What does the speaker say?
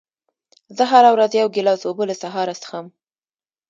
زه هره ورځ یو ګیلاس اوبه له سهاره څښم.